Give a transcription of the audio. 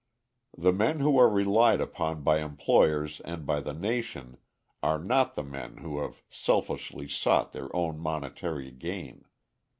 The men who are relied upon by employers and by the nation are not the men who have selfishly sought their own monetary gain.